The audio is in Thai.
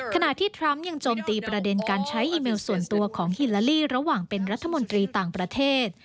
ขณะที่ทรัมป์ยังโจมตีประเด็นการใช้อีเมลส่วนตัวของฮิลาลีระหว่างเป็นรัฐมนตรีต่างประเทศ